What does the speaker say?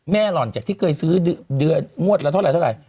หล่อนจากที่เคยซื้อเดือนงวดละเท่าไหร